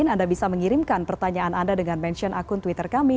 anda bisa mengirimkan pertanyaan anda dengan mention akun twitter kami